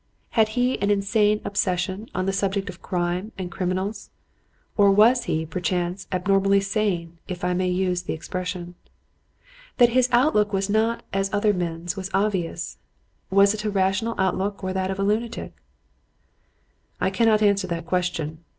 Had he an insane obsession on the subject of crime and criminals? Or was he, perchance, abnormally sane, if I may use the expression? That his outlook was not as other men's was obvious. Was it a rational outlook or that of a lunatic? I cannot answer the question.